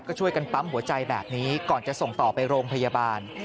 ก็ช่วยกันปั๊มหัวใจแบบนี้ก่อนจะส่งต่อไปโรงพยาบาล